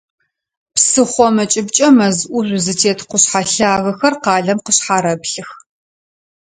Псыхъом ыкӏыбкӏэ мэз ӏужъу зытет къушъхьэ лъагэхэр къалэм къышъхьарэплъых.